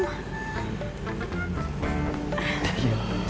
makasih pak akung